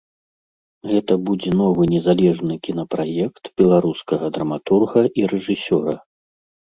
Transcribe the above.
Гэта будзе новы незалежны кінапраект беларускага драматурга і рэжысёра.